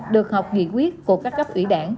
được học nghị quyết của các cấp ủy đảng